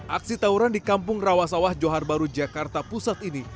aksi tawuran di kampung rawasawah johar baru jakarta pusat ini